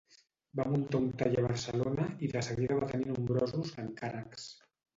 Va muntar un taller a Barcelona i de seguida va tenir nombrosos encàrrecs.